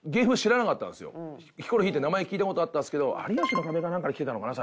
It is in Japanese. ヒコロヒーって名前聞いた事あったんですけど『有吉の壁』かなんかできてたのかな？